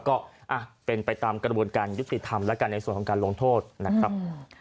ก็เป็นไปตามกระบวนการยุติธรรมแล้วกันในส่วนของการลงโทษนะครับ